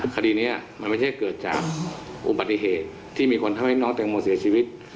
คดีนี้มันไม่ใช่เกิดจากอุบัติเหตุที่มีคนทำให้น้องแตงโมเสียชีวิต